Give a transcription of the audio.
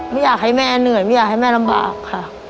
ไม่อยากให้แม่เหนื่อยไม่อยากให้แม่ลำบากค่ะ